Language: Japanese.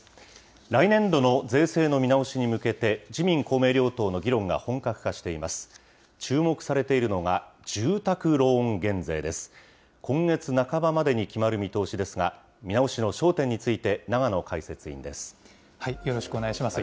来年度の税制の見直しに向けて、自民、公明両党の議論が本格化しています。